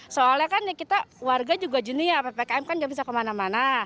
soalnya kan kita warga juga jenia ppkm kan gak bisa kemana mana